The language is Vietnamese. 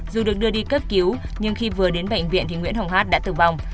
dù được đưa đi cấp cứu nhưng khi vừa đến bệnh viện thì nguyễn hồng hát đã tử vong